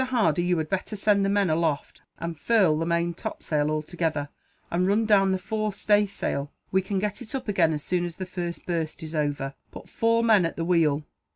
Hardy, you had better send the men aloft, and furl the main top sail, altogether; and run down the fore stay sail. We can get it up again, as soon as the first burst is over. Put four men at the wheel."